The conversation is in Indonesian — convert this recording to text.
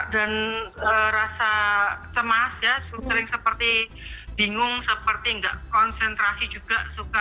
dan rasa cemas ya sering seperti bingung seperti tidak konsentrasi juga